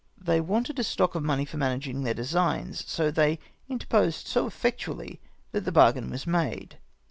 They wanted a stock of money for managing their designs, so they inter posed so effectually that the bargain was made.